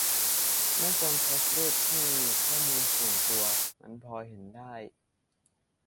ไม่ควรโพสต์รูปที่มีข้อมูลส่วนตัว มันพอเห็นได้